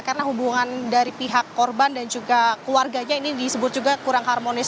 karena hubungan dari pihak korban dan juga keluarganya ini disebut juga kurang harmonis